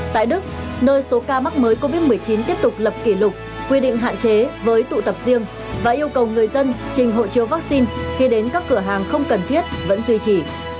tại đức nơi số ca mắc mới covid một mươi chín tiếp tục lập kỷ lục quy định hạn chế với tụ tập riêng và yêu cầu người dân trình hộ chiếu vaccine khi đến các cửa hàng không cần thiết vẫn duy trì